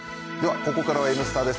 ここからは「Ｎスタ」です。